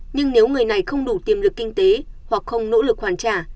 nhưng nếu người này không đủ tiềm lực kinh tế hoặc không nỗ lực hoàn trả